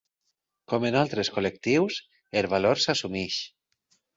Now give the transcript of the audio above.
Com en altres col·lectius, el valor s’assumeix.